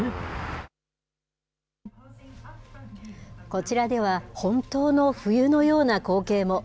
こちらでは、本当の冬のような光景も。